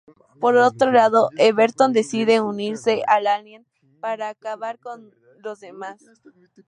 Por otro lado, Everton decide unirse al alien para acabar con los demás.